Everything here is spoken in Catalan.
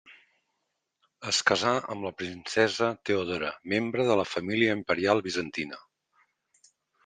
Es casà amb la princesa Teodora, membre de la família imperial bizantina.